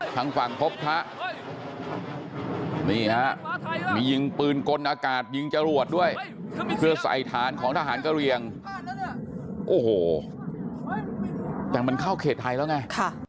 ทางฝั่งพบพระนี่ฮะมียิงปืนกลอากาศยิงจรวดด้วยเพื่อใส่ฐานของทหารกะเรียงโอ้โหแต่มันเข้าเขตไทยแล้วไง